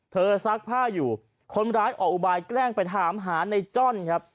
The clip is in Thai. ซักผ้าอยู่คนร้ายออกอุบายแกล้งไปถามหาในจ้อนครับ